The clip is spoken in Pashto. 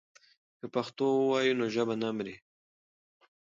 که پښتو ووایو نو ژبه نه مري.